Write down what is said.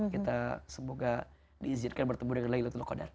kita semoga diizinkan bertemu dengan laylatul qadar